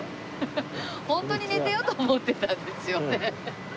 ホントに寝てようと思ってたんですよね。